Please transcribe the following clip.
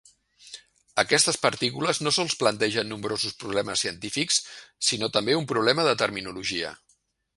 Aquestes partícules no sols plantegen nombrosos problemes científics, sinó també un problema de terminologia.